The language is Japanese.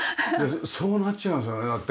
そうなっちゃいますよねだって。